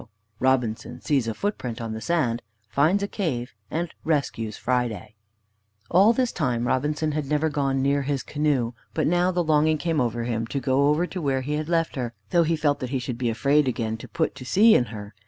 V ROBINSON SEES A FOOTPRINT ON THE SAND, FINDS A CAVE, AND RESCUES FRIDAY All this time Robinson had never gone near his canoe, but now the longing came on him to go over to where he had left her, though he felt that he should be afraid again to put to sea in her.